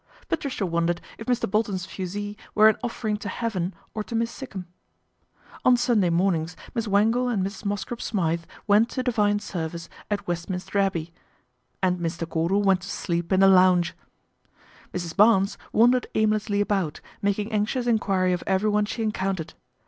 Patricia wondered if Mr. Bolton's fusee were an offering to heaven or to Miss Sikkum. On Sunday mornings Miss Wangle and Mrs. Mosscrop Smythe went to divine service at West minster Abbey, and Mr. Cordal went to sleep in the lounge. Mrs. Barnes wandered aimlessly about, making anxious enquiry of everyone she encountered.